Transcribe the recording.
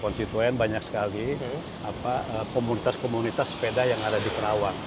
konstituen banyak sekali komunitas komunitas sepeda yang ada di kerawang